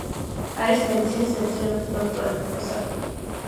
არის მედიცინის მეცნიერებათა დოქტორი, პროფესორი.